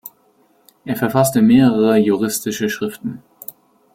Er verfasste mehrere juristische Schriften.